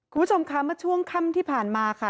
คุณผู้ชมคะเมื่อช่วงค่ำที่ผ่านมาค่ะ